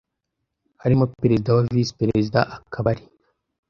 harimo Perezida na Visi Perezida akaba ari